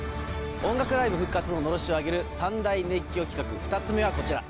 音楽ライブ復活ののろしを上げる３大熱狂企画２つ目はこちら。